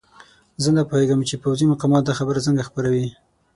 زه نه پوهېږم چې پوځي مقامات دا خبره څنګه خپروي.